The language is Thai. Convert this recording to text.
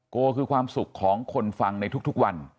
โกคือความสุขของคนฟังในทุกวัน